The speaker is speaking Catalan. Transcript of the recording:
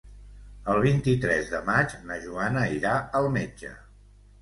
El vint-i-tres de maig na Joana irà al metge.